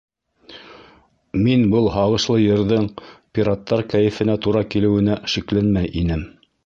Мин был һағышлы йырҙың пираттар кәйефенә тура килеүенә шикләнмәй инем.